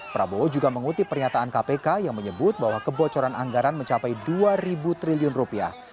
prabowo juga mengutip pernyataan kpk yang menyebut bahwa kebocoran anggaran mencapai dua ribu triliun rupiah